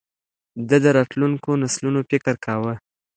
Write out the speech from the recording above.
ده د راتلونکو نسلونو فکر کاوه.